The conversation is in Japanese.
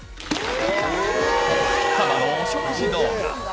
カバのお食事動画。